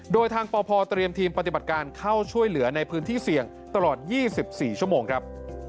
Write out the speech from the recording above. โดยทางปพเตรียมทีมปฏิบัติการเข้าช่วยเหลือในพื้นที่เสี่ยงตลอด๒๔ชั่วโมงครับ